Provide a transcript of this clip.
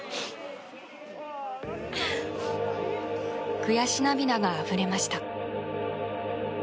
悔し涙があふれました。